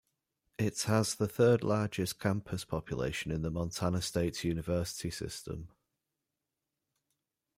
It has the third largest campus population in the Montana State University System.